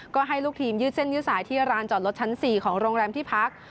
ก็ให้ลูกทีมยืดเส้นยืดสายที่ร้านจอดรถชั้น๔ของโรงแรมที่พัก